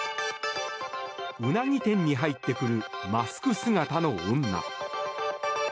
ウナギ店に入ってくるマスク姿の女。